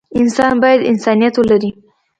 انسان بايد انسانيت ولري.